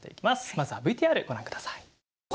まずはＶＴＲご覧ください。